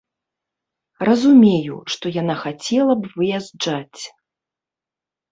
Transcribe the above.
Разумею, што яна хацела б выязджаць.